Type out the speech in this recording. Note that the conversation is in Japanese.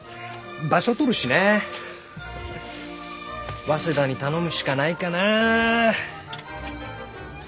場所とるしね早稲田に頼むしかないかな。